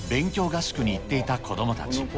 合宿に行っていた子どもたち。